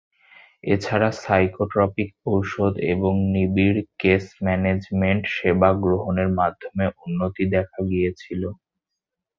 এছাড়া, সাইকোট্রপিক ওষুধ এবং নিবিড় কেস ম্যানেজমেন্ট সেবা গ্রহণের মাধ্যমেও উন্নতি দেখা গিয়েছিল।